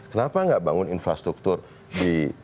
kenapa nggak bangun infrastruktur di